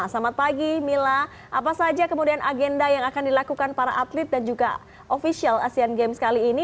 selamat pagi mila apa saja kemudian agenda yang akan dilakukan para atlet dan juga ofisial asean games kali ini